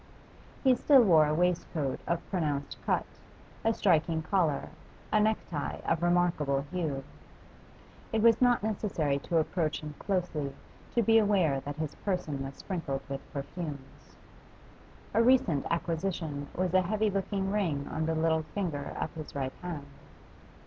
He still wore a waistcoat of pronounced cut, a striking collar, a necktie of remarkable hue. It was not necessary to approach him closely to be aware that his person was sprinkled with perfumes. A recent acquisition was a heavy looking ring on the little finger of his right hand.